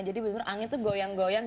jadi bener bener angin tuh goyang goyang